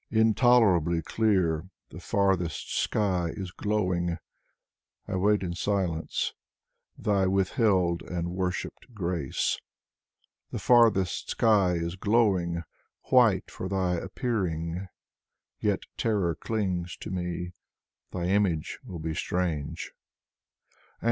Intolerably clear, the farthest sky is glowing. I wait in silence Thy withheld and worshiped grace. The farthest sky is glowing : white for Thy appearing. Yet terror clings to me. Thy image will be strange.